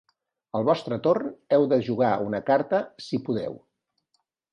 Al vostre torn heu de jugar una carta, si podeu.